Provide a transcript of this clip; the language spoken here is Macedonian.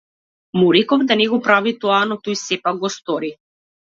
Му реков да не го прави тоа, но тој сепак го стори.